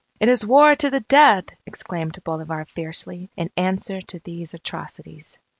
"It is war to the death!" exclaimed Bolivar fiercely, in answer to these atrocities.